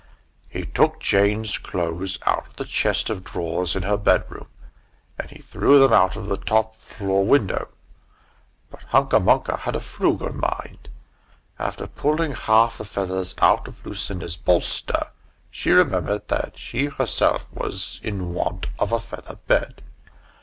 He took Jane's clothes out of the chest of drawers in her bedroom, and he threw them out of the top floor window. But Hunca Munca had a frugal mind. After pulling half the feathers out of Lucinda's bolster, she remembered that she herself was in want of a feather bed.